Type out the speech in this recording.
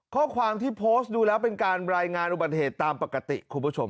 ข้อความที่โพสต์ดูแล้วเป็นการรายงานอุบัติเหตุตามปกติคุณผู้ชม